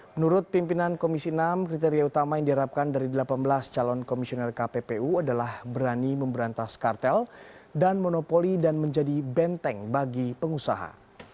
menurut pimpinan komisi enam kriteria utama yang diharapkan dari delapan belas calon komisioner kppu adalah berani memberantas kartel dan monopoli dan menjadi benteng bagi pengusaha